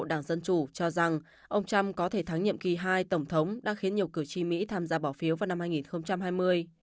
đảng dân chủ cho rằng ông trump có thể thắng nhiệm kỳ hai tổng thống đã khiến nhiều cử tri mỹ tham gia bỏ phiếu vào năm hai nghìn hai mươi